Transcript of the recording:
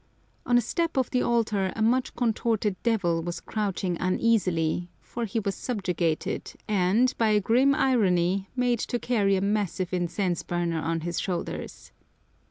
On a step of the altar a much contorted devil was crouching uneasily, for he was subjugated and, by a grim irony, made to carry a massive incense burner on his shoulders.